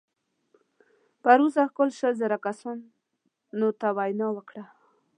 پروسږ کال شل زره کسانو ته وینا وکړه.